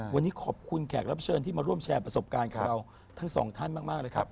วันนี้ขอบคุณแขกรับเชิญที่มาร่วมแชร์ประสบการณ์กับเราทั้งสองท่านมากเลยครับ